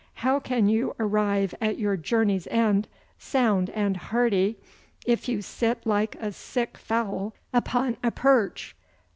'How can you arrive at your journey's end sound and hearty if you sit like a sick fowl upon a perch?